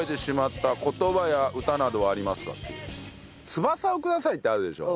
『翼をください』ってあるでしょう。